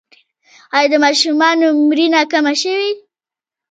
آیا د ماشومانو مړینه کمه شوې؟